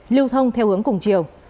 lưu thông theo hướng cùng chiều